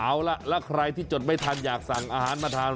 เอาล่ะแล้วใครที่จดไม่ทันอยากสั่งอาหารมาทาน